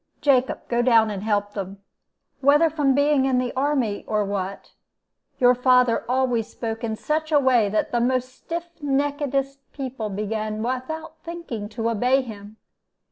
Jacob, go down and help them.' "Whether from being in the army, or what, your father always spoke in such a way that the most stiff neckedest people began without thinking to obey him.